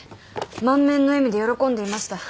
満面の笑みで喜んでいました。